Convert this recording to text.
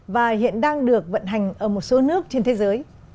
và hiện đang được vận hành ở một số nước trên thế giới